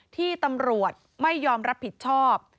ที่ตำรวจไม่ยอมรับผิดชอบ